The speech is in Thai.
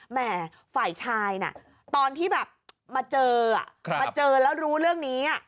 แม่ฝ่ายชายน่ะตอนที่แบบมาเจอมาเจอแล้วรู้เรื่องนี้